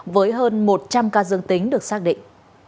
với hơn một trăm linh ca dương tính được xác định